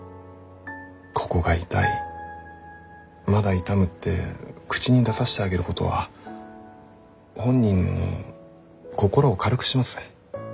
ここが痛いまだ痛むって口に出さしてあげることは本人の心を軽くします。